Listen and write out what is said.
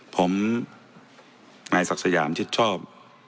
ผมนายศักดิ์สยามชิดชอบ